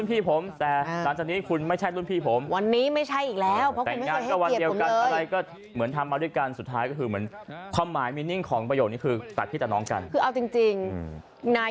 พักการประชุมครับสะพาน